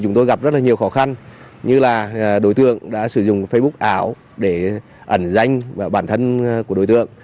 chúng tôi gặp rất là nhiều khó khăn như là đối tượng đã sử dụng facebook ảo để ẩn danh vào bản thân của đối tượng